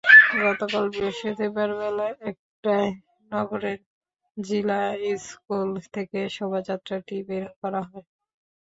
গতকাল বৃহস্পতিবার বেলা একটায় নগরের জিলা স্কুল থেকে শোভাযাত্রাটি বের করা হয়।